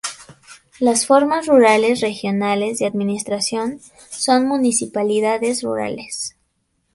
Las formas rurales regionales de administración son municipalidades rurales.